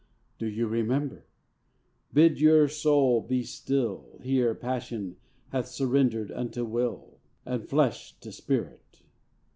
Do you remember? Bid your soul be still. Here passion hath surrendered unto will, And flesh to spirit.